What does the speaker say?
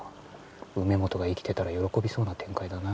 梅本が生きてたら喜びそうな展開だな。